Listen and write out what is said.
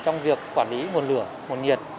trong việc quản lý nguồn lửa nguồn nhiệt